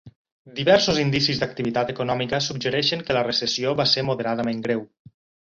Diversos indicis d'activitat econòmica suggereixen que la recessió va ser moderadament greu.